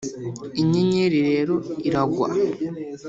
inyenyeri rero iragwa